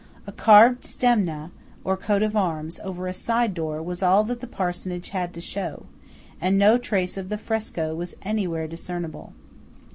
A carved "stemma," or coat of arms, over a side door was all the parsonage had to show, and no trace of the fresco was anywhere discernible.